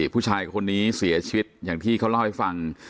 ผู้ชายคนนี้เสียชีวิตอย่างที่เขาเล่าให้ฟัง